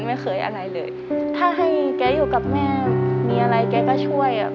ไม่เคยอะไรเลยถ้าให้แกอยู่กับแม่มีอะไรแกก็ช่วยอ่ะ